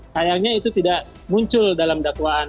sayangnya itu tidak muncul dalam dakwaan